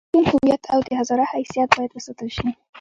د پښتون هویت او د هزاره حیثیت باید وساتل شي.